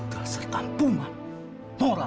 dasar kampungan moral